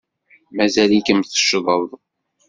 Mazal-ikem teccḍed.